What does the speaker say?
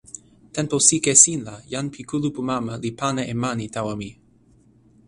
tenpo sike sin la jan pi kulupu mama li pana e mani tawa mi.